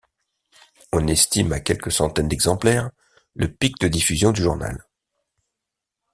On estime à quelques centaines d'exemplaires le pic de diffusion du journal.